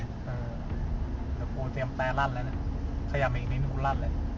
เออแต่กูเตรียมแต่ลั่นแล้วน่ะขยับอีกนิดหนึ่งกูลั่นเลย